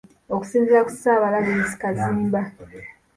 Okusinziira ku ssaabalabirizi Kaziimba.